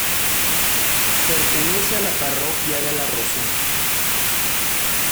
Pertenece a la Parroquia La Rosa.